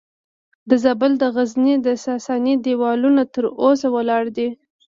د زابل د غزنیې د ساساني دیوالونه تر اوسه ولاړ دي